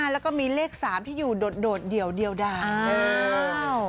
และมีเลขสามที่อยู่โดดโดดดีวดีวดาว